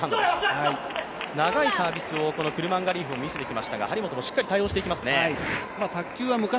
長いサービスをこのクルマンガリエフも見せてきましたが張本もしっかり対応していきますね。